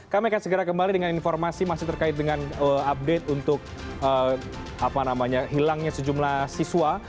kami akan segera kembali dengan informasi masih terkait dengan update untuk hilangnya sejumlah siswa